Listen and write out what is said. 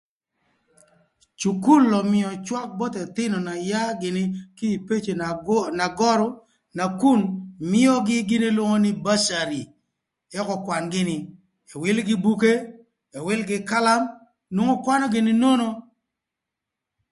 Cukul ömïö cwak both ëthïnö n'ayaa gïnï kï ï peci na görü nakun mïögï gin elwongo nï bursary ëk ökwan gïnï, ëwïlïgï buke, ëwïlïgï kalam nwongo kwanö gïnï nono.